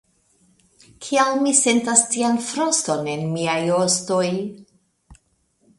Kial mi sentas tian froston en miaj ostoj?